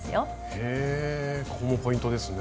へえここもポイントですね。